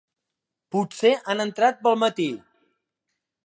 Potser han entrat pel matí.